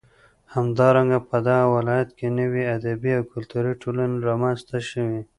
همدارنگه په دغه ولايت كې نوې ادبي او كلتوري ټولنې رامنځ ته شوې.